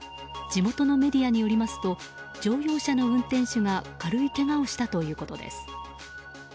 地元のメディアによりますと乗用車の運転手が軽いけがをしたということです。